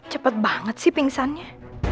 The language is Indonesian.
cepet banget sih pingsannya